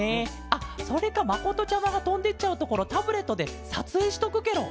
あそれかまことちゃまがとんでいっちゃうところをタブレットでさつえいしとくケロ！